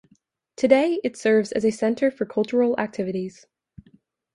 Today it serves as a centre for cultural activities.